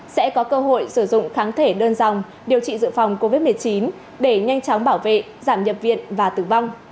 sẽ có cơ hội sử dụng kháng thể đơn dòng điều trị dự phòng covid một mươi chín để nhanh chóng bảo vệ giảm nhập viện và tử vong